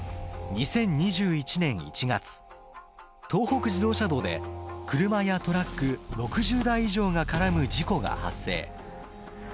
２０２１年１月東北自動車道で車やトラック６０台以上が絡む事故が発生。